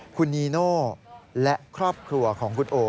คุณนีโน่และครอบครัวของคุณโอ